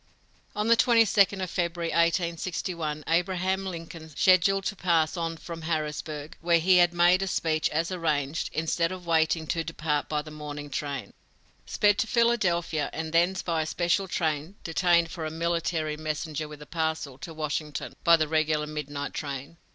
On the 22d of February, 1861, Abraham Lincoln, scheduled to pass on from Harrisburg, where he made a speech as arranged, instead of waiting to depart by the morning train, sped to Philadelphia and thence by a special train detained for "a military messenger with a parcel," to Washington, by the regular midnight train.